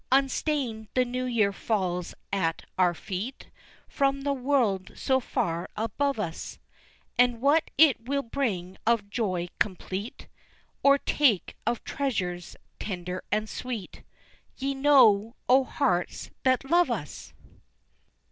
Unstained the new year falls at our feet From the world so far above us, And what it will bring of joy complete, Or take of treasures tender and sweet, Ye know, O hearts that love us!